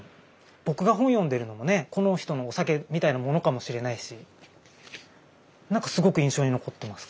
僕が本読んでるのもねこの人のお酒みたいなものかもしれないしなんかすごく印象に残ってます